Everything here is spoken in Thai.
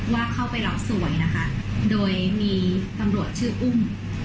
ว่าเข้าไปรับสวยนะคะโดยมีตำรวจชื่ออุ้ม